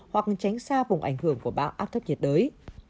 hoặc tránh xa vùng ảnh hưởng của bão áp thấp nhiệt đới